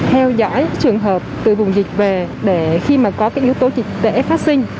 theo dõi trường hợp từ vùng dịch về để khi mà có cái yếu tố dịch tễ phát sinh